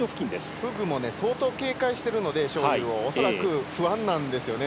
フグも相当、章勇を警戒しているので恐らく不安なんですよね。